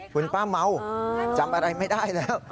คุณป้าเมาจำอะไรไม่ได้แล้ว